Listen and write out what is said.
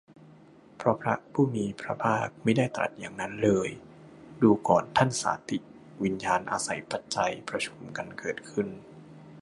เพราะพระผู้มีพระภาคมิได้ตรัสอย่างนี้เลย ดูกรท่านสาติ วิญญาณอาศัยปัจจัยประชุมกันเกิดขึ้น